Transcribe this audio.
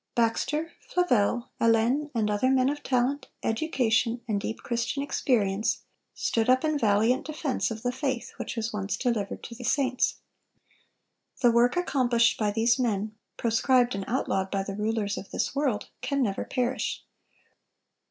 Baxter, Flavel, Alleine, and other men of talent, education, and deep Christian experience, stood up in valiant defense of the faith which was once delivered to the saints. The work accomplished by these men, proscribed and outlawed by the rulers of this world, can never perish.